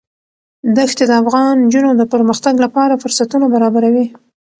دښتې د افغان نجونو د پرمختګ لپاره فرصتونه برابروي.